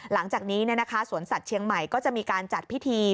หลังจากนี้สวนสัตว์เชียงใหม่ก็จะมีการจัดพิธี